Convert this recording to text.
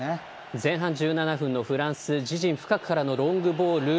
前半１７分、フランス自陣深くからのロングボール。